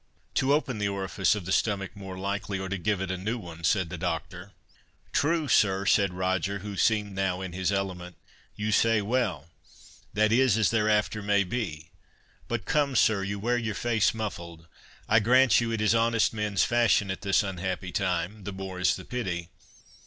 "To open the orifice of the stomach more likely, or to give it a new one," said the Doctor. "True, sir," said Roger, who seemed now in his element; "you say well—that is as thereafter may be.—But come, sir, you wear your face muffled. I grant you, it is honest men's fashion at this unhappy time; the more is the pity.